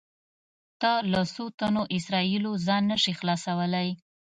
ته له څو تنو اسرایلو ځان نه شې خلاصولی.